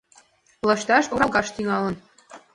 Лышташ оралгаш тӱҥалын.